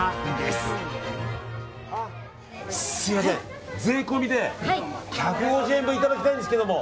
すみません税込で１５０円分いただきたいんですけども。